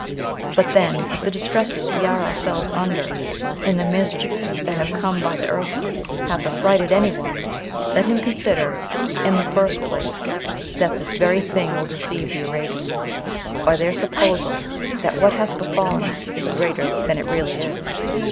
But then if the distresses we are ourselves under, and the miseries that have come by the earthquake, hath affrighted any one, let him consider, in the first place, that this very thing will deceive the Arabians, by their supposal that what hath befallen us is greater than it really is.